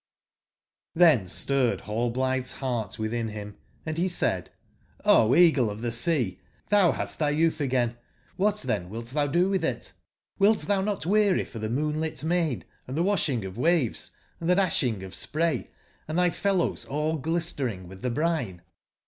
fc^^ J^y^nejV stirred Rallblitbe's beart witbin bim and be said :'* O Bagle of tbe Sea, tbou bast tby youtb again : wbat tben wilt tbou do witb it ? CQilt tbou not weary for tbe moonlit main, and tbe wasbing of waves and tbe dasbing of spray, and tby fellows all glistering witb tbe brine?